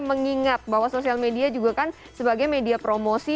mengingat bahwa sosial media juga kan sebagai media promosi